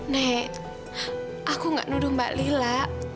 nek aku gak nuduh mbak lila